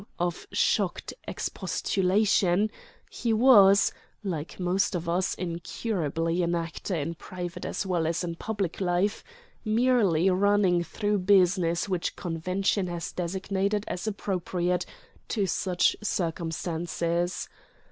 _" of shocked expostulation, he was (like most of us, incurably an actor in private as well as in public life) merely running through business which convention has designated as appropriate to such circumstances.